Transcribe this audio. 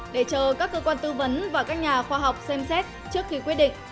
để chờ các cơ quan tư vấn và các nhà khoa học xem xét trước khi quyết định